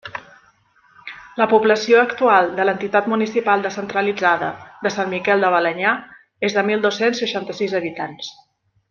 La població actual de l'entitat municipal descentralitzada de Sant Miquel de Balenyà és de mil dos-cents seixanta-sis habitants.